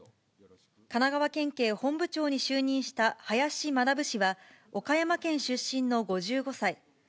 神奈川県警本部長に就任した林学氏は、岡山県出身の５５歳。